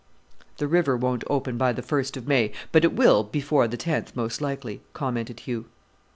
"The river won't open by the first of May, but it will before the tenth, most likely," commented Hugh.